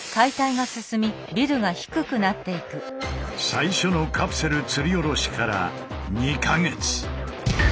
最初のカプセル吊り下ろしから２か月。